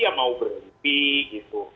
yang mau berhenti gitu